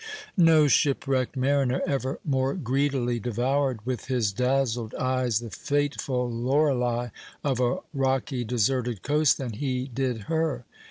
No shipwrecked mariner ever more greedily devoured with his dazzled eyes the fateful loreley of a rocky, deserted coast than he did her.